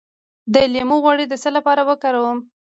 د لیمو غوړي د څه لپاره وکاروم؟